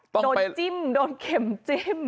โดนจิ้มโดนเข็มจิ้ม